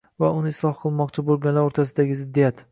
va uni isloh qilmoqchi bo‘lganlar o‘rtasidagi ziddiyat